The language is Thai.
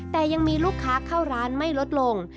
แต่ยังมีลูกค้าเข้าร้านไม่ลดลง